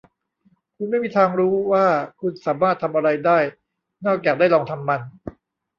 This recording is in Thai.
คุณไม่มีทางรู้ว่าคุณสามารถทำอะไรได้นอกจากได้ลองทำมัน